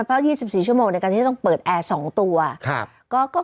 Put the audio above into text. เพราะ๒๔ชั่วโมงในการที่จะต้องเปิดแอร์๒ตัว